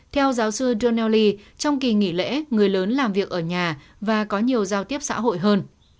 theo giáo sư johnel lee trong kỳ nghỉ lễ người lớn làm việc ở nhà và có nhiều giao tiếp xã hội hơn